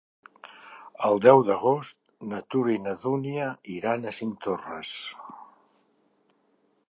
El deu d'agost na Tura i na Dúnia iran a Cinctorres.